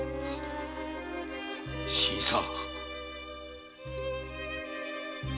新さん！